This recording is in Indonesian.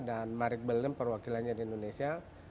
dan marik beldem perwakilannya di indonesia